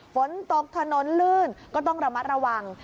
ฝนตกถนนลื่นก็ต้องระมัดระวัง